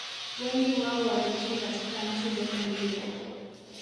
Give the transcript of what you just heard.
Wengi wao waliishi katika nchi zote mbili